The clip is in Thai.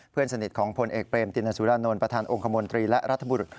เพื่อนสนิทของพลเอกเบรมตินสุรานนท์ประธานองค์คมนตรีและรัฐบุรุษ